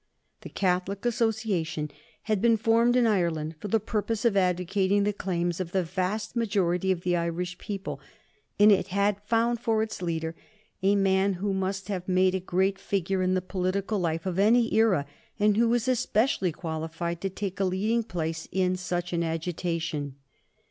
The Catholic Association had been formed in Ireland for the purpose of advocating the claims of the vast majority of the Irish people, and it had found for its leader a man who must have made a great figure in the political life of any era, and who was especially qualified to take a leading place in such an agitation.